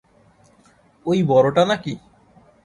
ঐ বড় টা নাকি?